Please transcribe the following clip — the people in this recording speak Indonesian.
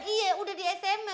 iya udah di sma